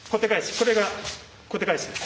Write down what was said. これが小手返しです。